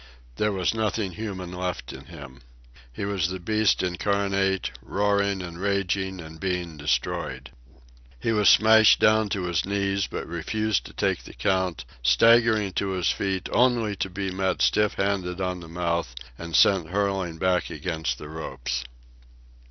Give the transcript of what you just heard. There was nothing human left in him. He was the beast incarnate, roaring and raging and being destroyed. He was smashed down to his knees, but refused to take the count, staggering to his feet only to be met stiff handed on the mouth and sent hurling back against the ropes.